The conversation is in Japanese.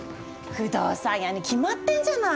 不動産屋に決まってんじゃない。